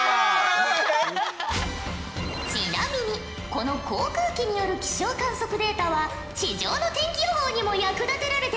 ちなみにこの航空機による気象観測データは地上の天気予報にも役立てられているんじゃぞ。